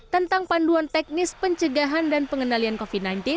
tentang panduan teknis pencegahan dan pengendalian covid sembilan belas